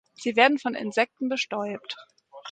Sie werden von Insekten bestäubt.